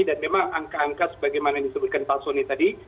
dan memang angka angka sebagaimana disebutkan tasun ini tadi